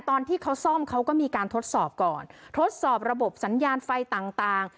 ตอนที่เขาซ่อมเขาก็มีการทดสอบก่อนทดสอบระบบสัญญาณไฟต่างต่าง